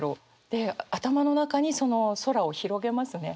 で頭の中にその空を広げますね。